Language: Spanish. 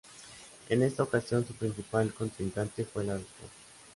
En esta ocasión su principal contrincante fue la Dra.